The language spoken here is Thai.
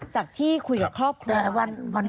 จากที่คุยกับครอบครัว